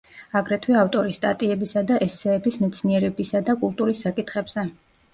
აგრეთვე ავტორი სტატიებისა და ესსეების მეცნიერებისა და კულტურის საკითხებზე.